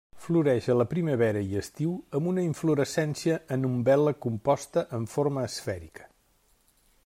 Floreix a la primavera i estiu amb una inflorescència en umbel·la composta, amb forma esfèrica.